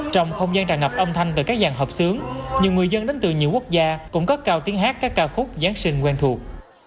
trong không gian tràn ngập âm thanh từ các dàn hợp sướng nhiều người dân đến từ nhiều quốc gia cũng có cao tiếng hát các ca khúc giáng sinh quen thuộc